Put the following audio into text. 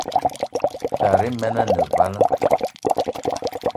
Tara men ane vala.